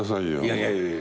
いやいやいや。